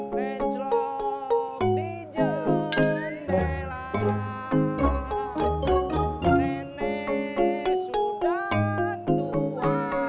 nenek sudah tua